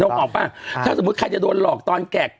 ออกป่ะถ้าสมมุติใครจะโดนหลอกตอนแกะ